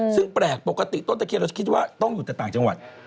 ซึ่งแปลกปกติต้นตะเคียนเราจะคิดว่าต้องอยู่แต่ต่างจังหวัด